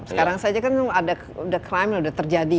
sekarang saja kan ada crime udah terjadi